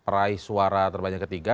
raih suara terbanyak ketiga